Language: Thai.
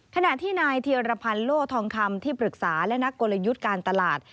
ขณะที่นายเทียรพันธ์โล่ทองคำที่ปรึกษาและนักกลยุทธ์การตลาด